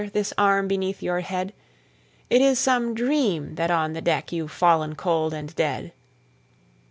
This arm beneath your head! It is some dream that on the deck You've fallen cold and dead.